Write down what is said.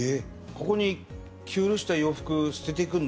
ここに着古した洋服捨てていくんだ？